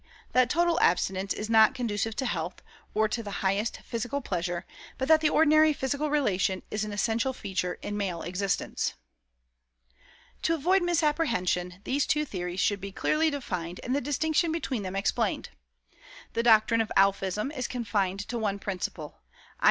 that total abstinence is not conducive to health, or to the highest physical pleasure, but that the ordinary physical relation is an essential feature in male existence. "To avoid misapprehension, these two theories should be clearly defined and the distinction between them explained. The doctrine of Alphism is confined to one principle, i.